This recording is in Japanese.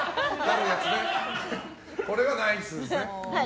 これはナイスですね。